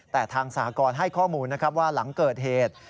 แต่ทางสากรให้ข้อมูลนะครับว่าหลังเกิดเหตุ